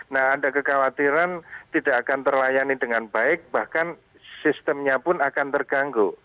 nah ada kekhawatiran tidak akan terlayani dengan baik bahkan sistemnya pun akan terganggu